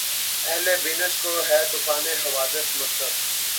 اہلِ بینش کو‘ ہے طوفانِ حوادث‘ مکتب